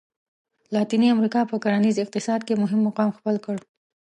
لاتیني امریکا په کرنیز اقتصاد کې مهم مقام خپل کړ.